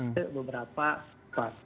itu beberapa pak